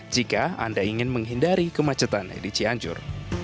jika anda ingin menghindari kemacetan di cianjur